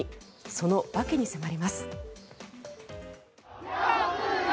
その訳に迫ります。